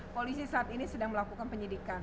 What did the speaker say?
polisi saat ini sedang melakukan penyidikan